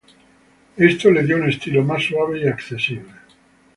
Esto le dio un estilo más suave y accesible.